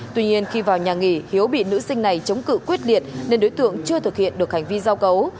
tuy nhiên khi vào nhà nghỉ hiếu bị nữ sinh này chống cự quyết liệt nên đối tượng chưa thực hiện được hành vi giao cấu